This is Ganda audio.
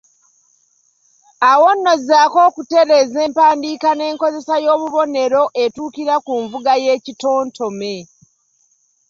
Awo nno zzaako okutereeza empandiika n’enkozesa y’obubonero etuukira ku nvuga y’ekitontome.